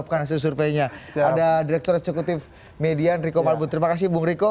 ada direktur eksekutif median riko marbun terima kasih bung riko